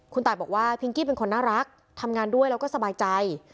คุณตายบอกว่าพิงกี้เป็นคนน่ารักทำงานด้วยแล้วก็สบายใจ